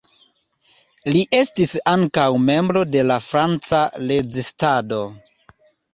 Li estis ankaŭ membro de la Franca rezistado.